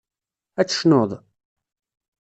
Ad tecnuḍ?